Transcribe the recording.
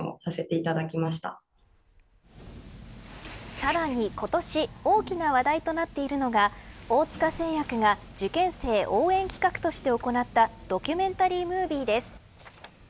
さらに今年大きな話題となっているのが大塚製薬が受験生応援企画として行ったドキュメンタリームービーです。